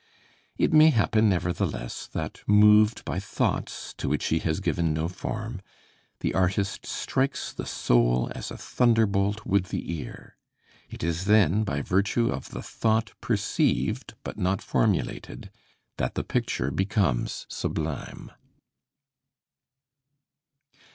It may happen, nevertheless, that moved by thoughts to which he has given no form, the artist strikes the soul as a thunderbolt would the ear. It is then by virtue of the thought perceived, but not formulated, that the picture becomes sublime.